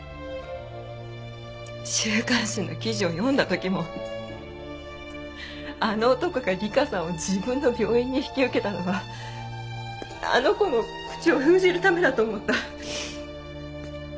週刊誌の記事を読んだ時もあの男が理香さんを自分の病院に引き受けたのはあの子の口を封じるためだと思った。